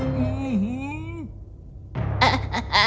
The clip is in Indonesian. baik haruskah aku bicara sekarang